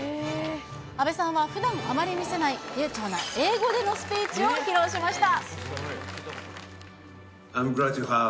阿部さんはふだん、あまり見せない流ちょうな英語でのスピーチを披露しました。